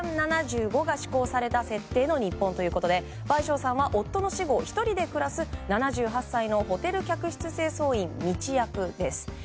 ７５が施行された設定の日本ということで倍賞さんは夫の死後、１人で暮らす７８歳のホテル客室清掃員ミチ役です。